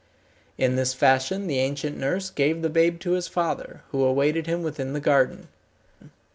In this fashion the ancient nurse gave the babe to his father, who awaited him within the garden.